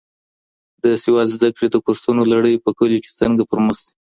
د سواد زده کړې د کورسونو لړۍ په کلیو کي څنګه پرمخ ځي؟